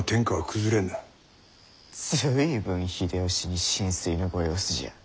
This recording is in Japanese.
随分秀吉に心酔のご様子じゃ。